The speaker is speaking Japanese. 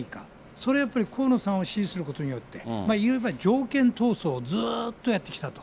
それはやっぱり、河野さんを支持することによって、いうならば条件闘争をずっとやってきたと。